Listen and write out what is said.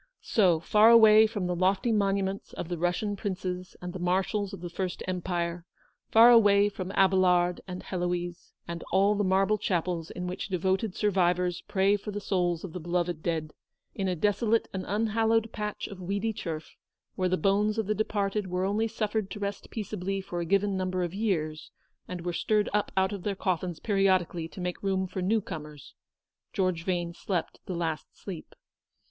So, far away from the lofty monu ments of the Russian princes and the marshals of the First Empire; far away from Abelard and Heloise, and all the marble chapels in which VOL. I ■ 178 devoted survivors pray for the souls of the beloved dead ; in a desolate and unhallowed patch of weedy turf, where the bones of the departed were only suffered to rest peaceably for a given number of years, and were stirred up out of their coffins periodically to make room for new comers, George Vane slept the last sleep.